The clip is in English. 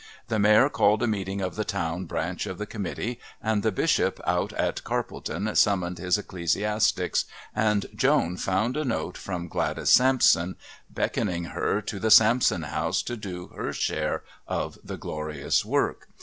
The Mayor called a meeting of the town branch of the Committee, and the Bishop out at Carpledon summoned his ecclesiastics, and Joan found a note from Gladys Sampson beckoning her to the Sampson house to do her share of the glorious work.